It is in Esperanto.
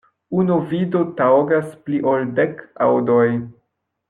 Unu vido taŭgas pli ol dek aŭdoj.